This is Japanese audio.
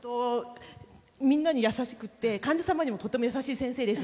みんなに優しくて患者様にもとても優しい先生です。